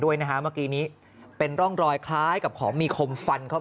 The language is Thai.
ด้วยนะฮะเมื่อกี้นี้เป็นร่องรอยคล้ายกับของมีคมฟันเข้ามา